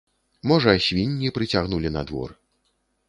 Можа, свінні прыцягнулі на двор.